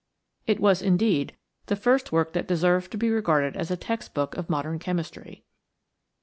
It was, indeed, the first work that deserved to be regarded as a textbook of modern chemistry.